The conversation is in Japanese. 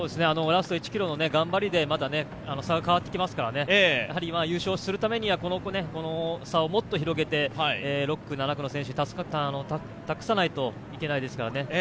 ラスト１ｋｍの頑張りで、また差が変わってきますから、今、優勝するためにはこの差をもっと広げて６区、７区の選手に託さないといけないですからね。